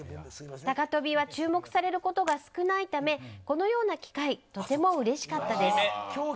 高跳びは注目されることが少ないためこのような機会とてもうれしかったです。